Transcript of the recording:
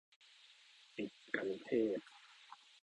ติดกัณฑ์เทศน์